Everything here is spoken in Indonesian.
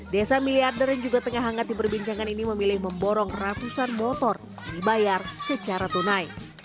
desa miliarder yang juga tengah hangat di perbincangan ini memilih memborong ratusan motor yang dibayar secara tunai